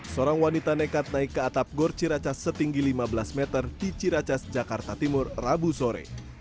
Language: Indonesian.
seorang wanita nekat naik ke atap gor ciracas setinggi lima belas meter di ciracas jakarta timur rabu sore